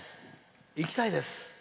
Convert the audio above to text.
生きたいです。